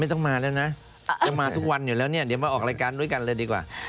จะมาทุกวันอยู่แล้วเนี่ยเดี๋ยวมาออกรายการด้วยกันเลยดีกว่า